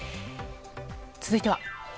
続いては。